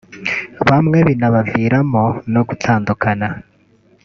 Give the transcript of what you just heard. bamwe binabaviramo no gutandukana